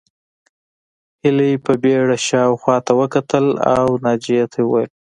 هيلې په بېړه شا او خواته وکتل او ناجيې ته وویل